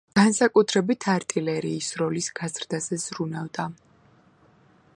განსაკუთრებით, არტილერიის როლის გაზრდაზე ზრუნავდა.